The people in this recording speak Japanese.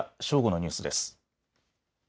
正午のニュースです。